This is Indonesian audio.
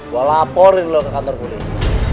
gua laporin lu ke kantor kulis